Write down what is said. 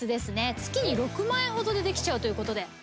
月に６万円ほどでできちゃうということで。